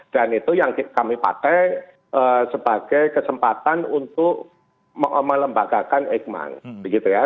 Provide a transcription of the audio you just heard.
dan itu yang kami pakai sebagai kesempatan untuk melembagakan eijkman